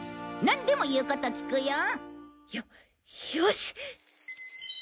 なんでも言うこと聞くよ。よよし！